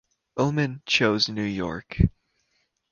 Ullman chose New York.